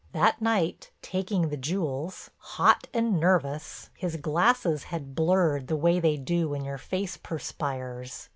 That night, taking the jewels, hot and nervous, his glasses had blurred the way they do when your face perspires.